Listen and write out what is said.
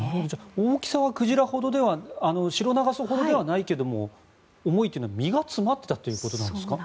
大きさはシロナガスほどではないけれども重いというのは身が詰まっているということなんですか？